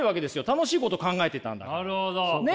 楽しいこと考えてたんだから。